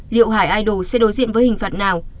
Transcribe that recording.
liệu hải idol sẽ đối diện với hình phạt nào